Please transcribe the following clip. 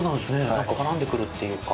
なんか、絡んでくるというか。